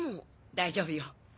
大丈夫よ。